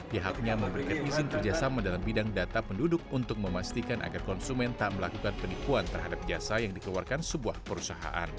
pihaknya memberikan izin kerjasama dalam bidang data penduduk untuk memastikan agar konsumen tak melakukan penipuan terhadap jasa yang dikeluarkan sebuah perusahaan